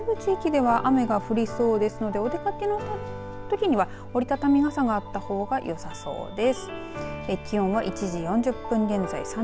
このあとの近畿地方一部地域では雨が降りそうですのでお出かけのときには折り畳み傘があった方がよさそうです。